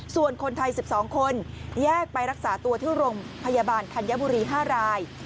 ส่วนคนไทย๑๒คนแยกไปรักษาตัวที่โรงพยาบาลธัญบุรี๕ราย